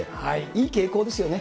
いい傾向ですよね。